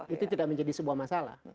itu tidak menjadi sebuah masalah